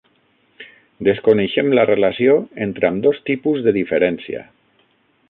Desconeixem la relació entre ambdós tipus de diferència.